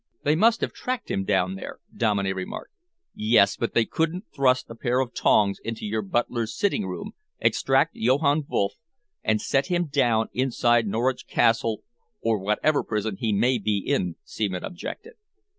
"They must have tracked him down there," Dominey remarked. "Yes, but they couldn't thrust a pair of tongs into your butler's sitting room, extract Johann Wolff, and set him down inside Norwich Castle or whatever prison he may be in," Seaman objected.